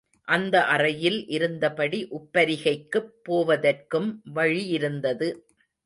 அந்த அறையில் இருந்தபடி உப்பரிகைக்குப் போவதற்கும் வழியிருந்தது.